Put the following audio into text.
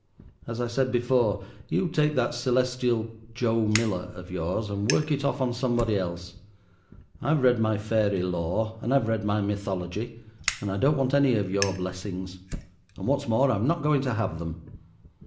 As I said before, you take that celestial 'Joe Miller' of yours and work it off on somebody else. I have read my fairy lore, and I have read my mythology, and I don't want any of your blessings. And what's more, I'm not going to have them.